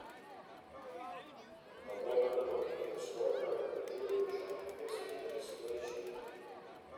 a woman working in the storefront of a jewelry shop fixing the display shelf